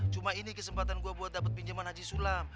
cuma ini kesempatan gua buat dapat pinjaman haji sulam